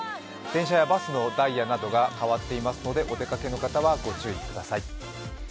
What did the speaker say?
電車やバスのダイヤなどが変わっていますのでお出かけの方はご注意ください。